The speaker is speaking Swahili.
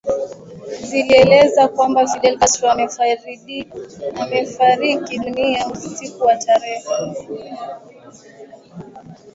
Ziliieleza kwamba Fidel Castro amefariki dunia usiku wa tarehe